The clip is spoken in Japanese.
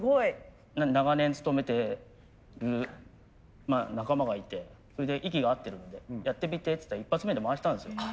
長年勤めてる仲間がいてそれで息が合ってるんでやってみてって言ったら一発目で回したんですよ。